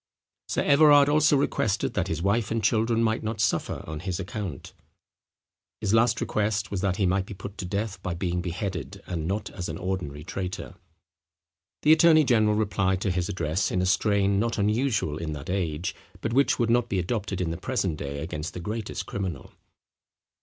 Sir Everard also requested that his wife and children might not suffer on his account. His last request was that he might be put to death by being beheaded, and not as an ordinary traitor. The attorney general replied to his address in a strain not unusual in that age, but which would not be adopted in the present day against the greatest criminal.